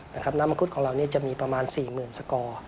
น้ำมะคุดของเรานี่จะมีประมาณ๔๐๐๐๐สก